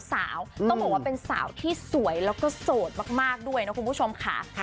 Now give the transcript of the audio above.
ต้องบอกว่าเป็นสาวที่สวยแล้วก็โสดมากด้วยนะคุณผู้ชมค่ะ